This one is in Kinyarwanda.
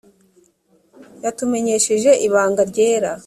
yatumenyesheje ibanga ryera